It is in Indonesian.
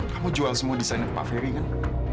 kamu jual semua desainer pafferi kan